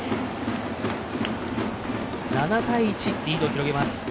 ７対１リードを広げます。